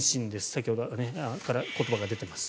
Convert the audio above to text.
先ほどから言葉が出ています。